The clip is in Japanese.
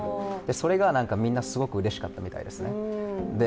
それがみんなすごくうれしかったみたいですね。